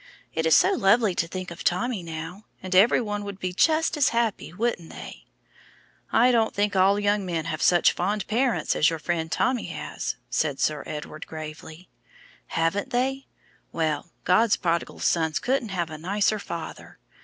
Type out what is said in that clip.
It is so lovely to think of Tommy now! And every one would be just as happy, wouldn't they?" "I don't think all young men have such fond parents as your friend Tommy has," said Sir Edward gravely. "Haven't they? Well, God's prodigal sons couldn't have a nicer father.